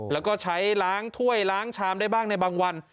แล้วก็ใช้ล้างถ้วยล้างชามได้บ้างในบางวัน